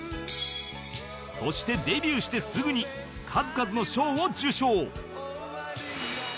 そしてデビューしてすぐに数々の賞を受賞